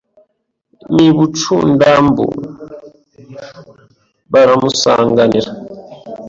N'i Bucundambu baramusanganira